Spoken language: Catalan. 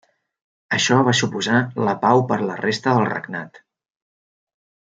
Això va suposar la pau per la resta del regnat.